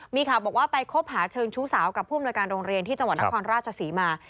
มีข่าวบอกว่าไปคบหาเชิงชู้สาวกับผู้อำนวยการโรงเรียนที่จังหวัดนครราชศรีมา